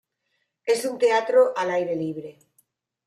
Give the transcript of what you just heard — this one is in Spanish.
Es un teatro al aire libre.